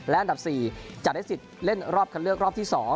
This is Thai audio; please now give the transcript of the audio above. และอันดับ๔จะได้สิทธิ์เล่นรอบคันเลือกรอบที่๒